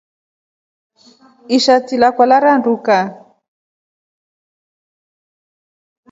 Ishati lakwa laranduka.